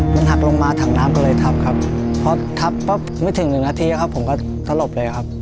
มันหักลงมาถังน้ำก็เลยทับครับพอทับปั๊บไม่ถึงหนึ่งนาทีครับผมก็สลบเลยครับ